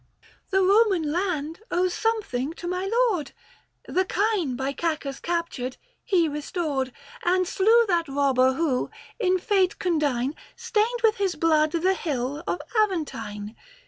The Koman land owes something to my lord : The kine, by Cacus captured, he restored, 90 And slew that robber who, in fate condign, Stained with his blood the hill of Aventine.